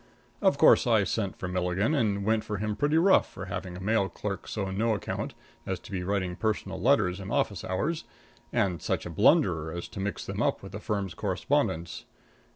Of course, I sent for Milligan and went for him pretty rough for having a mailing clerk so no account as to be writing personal letters in office hours, and such a blunderer as to mix them up with the firm's correspondence.